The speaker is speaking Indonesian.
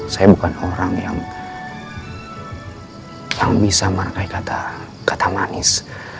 saya bukan orang yang bisa merangkai kata manis